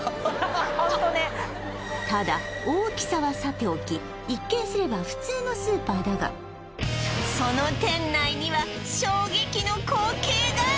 ハハッホントねただ大きさはさておき一見すれば普通のスーパーだがその店内には衝撃の光景が！